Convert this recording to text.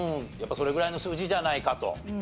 やっぱそれぐらいの数字じゃないかと。